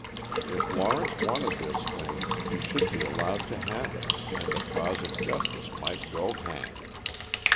If Lawrence wanted this thing, he should be allowed to have it, and the cause of justice might go hang.